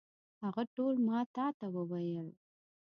هغه ټول ما تا ته وویل.